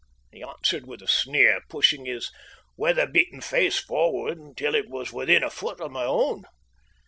he answered with a sneer, pushing his weather beaten face forward until it was within a foot of my own.